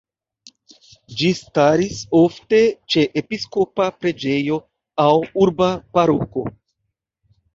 Ĝi staris ofte ĉe episkopa preĝejo aŭ urba paroko.